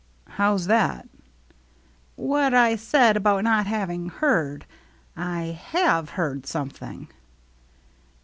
"How's that?" "What I said about not having heard — I have heard something."